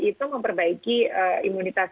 itu memperbaiki imunitas